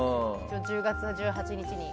１０月１８日に。